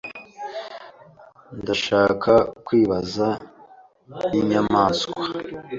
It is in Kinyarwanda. Ndashaka kwibaza ninyamaswa